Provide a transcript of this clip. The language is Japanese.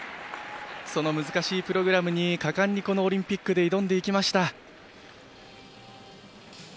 その難しいプログラムに果敢に、このオリンピックで挑んでいきました。